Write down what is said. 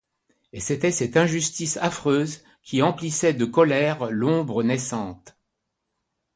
Et c'était cette injustice affreuse qui emplissait de colère l'ombre naissante.